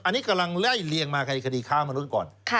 อันนี้กำลังไล่เลียงมาคดีค้ามนุษย์ก่อน